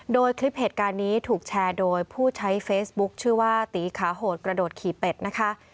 โดยคลิปเหตุการณ์นี้ถูกแชร์โดยผู้ใช้เฟซบุ๊คชื่อว่าตีขาโหดกระโดดขี่เป็ดนะคะ